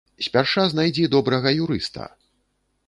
Спярша знайдзі добрага юрыста!